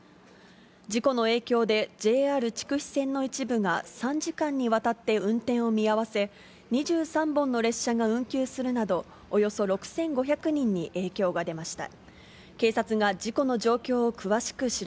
事故の影響でＪＲ筑肥線の一部が、３時間にわたって運転を見合わせ、２３本の列車が運休するなど、およそ６５００人に影響が出ました。